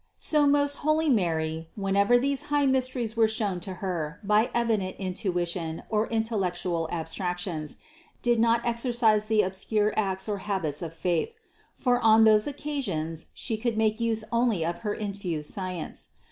So most holy Mary, whenever these high mysteries were shown to Her by evident intuition or intellectual ab THE CONCEPTION 381 stractions did not exercise the obscure acts or habits of faith; for on those occasions She could make use only of her infused science.